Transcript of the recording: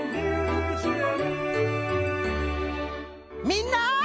みんな！